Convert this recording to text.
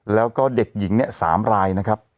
แล้วก็เด็กหญิง๓ราย